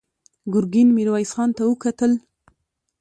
ګرګين ميرويس خان ته وکتل.